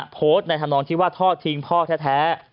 โพสต์ในทำรองที่ว่าท่อทิ้งพ่อแท้